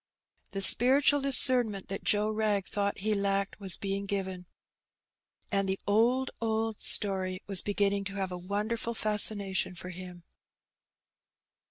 The spiritual discernment that Joe Wrag thought he lacked was being given, and the '^old, old story," was beginning to have a wonderftil fascination for him.